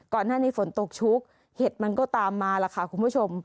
ก่อนหน้านี้ฝนตกชุกเห็ดมันก็ตามมาล่ะค่ะคุณผู้ชม